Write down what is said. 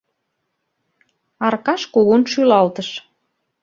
— Аркаш кугун шӱлалтыш.